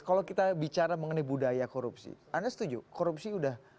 kalau kita bicara mengenai budaya korupsi anda setuju korupsi sudah